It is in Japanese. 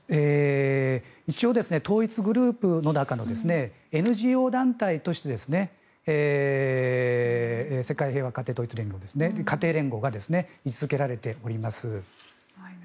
一応、統一グループの中のＮＧＯ団体として世界平和統一家庭連合が位置付けられています。